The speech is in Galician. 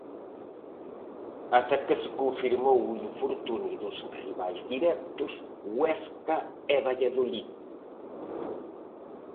Ata que se confirmou o infortunio dos rivais directos Huesca e Valladolid.